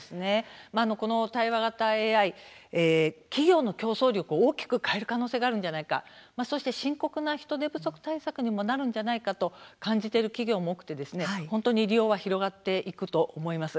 この対話型ＡＩ、企業の競争力を大きく変える可能性があるのではないかそして深刻な人手不足対策にもなるのではないかと感じている企業も多く利用は広がっていくと思います。